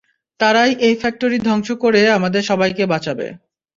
তারাই এই ফ্যাক্টরি ধ্বংস করে আমাদের সবাইকে বাঁচাবে।